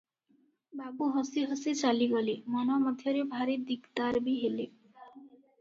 ବାବୁ ହସି ହସି ଚାଲିଗଲେ, ମନ ମଧ୍ୟରେ ଭାରି ଦିକ୍ଦାର ବି ହେଲେ ।